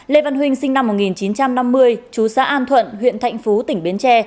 lê văn huynh sinh năm một nghìn chín trăm năm mươi chú xã an thuận huyện thạnh phú tỉnh bến tre